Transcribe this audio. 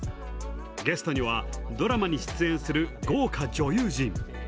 ゲストには、ドラマに出演する豪華女優陣。